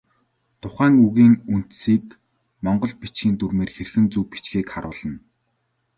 Тухайн үгийн үндсийг монгол бичгийн дүрмээр хэрхэн зөв бичихийг харуулна.